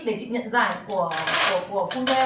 sắp xếp cho chị để chị nhận giải của phương theo